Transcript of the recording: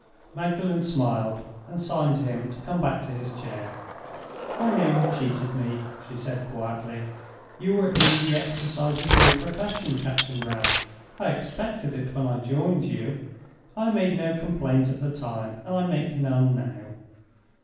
Magdalen smiled, and signed to him to come back to his chair. "I know you cheated me," she said, quietly. "You were in the exercise of your profession, Captain Wragge. I expected it when I joined you. I made no complaint at the time, and I make none now.